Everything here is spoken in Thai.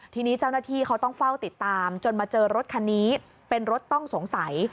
ทีนี้เจ้าหน้าที่เขาต้องเฝ้าติดตามจนมาเจอรถคันนี้เป็นรถต้องสงสัย